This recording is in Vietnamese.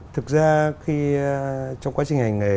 thực ra khi trong quá trình hành nghề